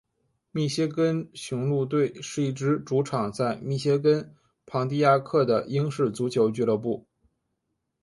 密歇根雄鹿队是一支主场在密歇根庞蒂亚克的英式足球俱乐部。